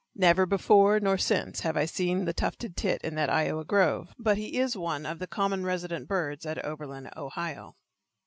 Never before nor since have I seen the tufted tit in that Iowa grove, but he is one of the common resident birds at Oberlin, Ohio.